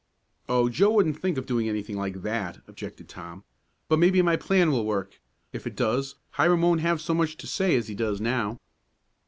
"Oh, Joe wouldn't think of doing anything like that!" objected Tom. "But maybe my plan will work. If it does, Hiram won't have so much to say as he does now."